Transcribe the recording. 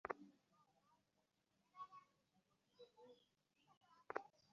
তিনি বাধ্যতামূলক সামরিক বাহিনীতে যোগদানের বিষয়ে চেষ্টা করেন কিন্তু ব্যর্থ হন।